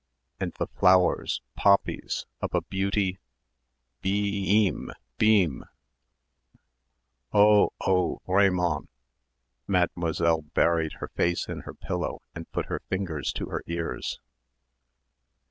"and the flowers, poppies, of a beauty" "bee eeem beeem" ... "oh, oh, vraiment" Mademoiselle buried her face in her pillow and put her fingers to her ears.